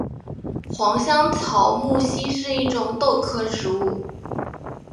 黄香草木樨是一种豆科植物。